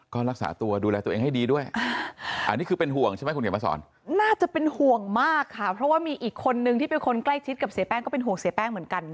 ก็รักษาตัวดูแลตัวเองให้ดีด้วยน่าจะเป็นห่วงมากค่ะเพราะมีอีกคนนึงที่เป็นคนใกล้ชิดกับเสียแป้ง